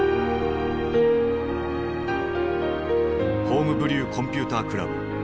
「ホームブリューコンピュータークラブ」。